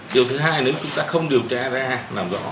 điều thứ hai nếu chúng ta không điều tra ra làm rõ